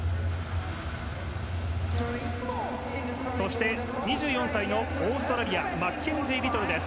そして２４歳のオーストラリアマッケンジー・リトルです。